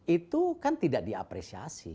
itu kan tidak diapresiasi